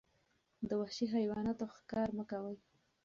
د وحشي حیواناتو ښکار مه کوئ.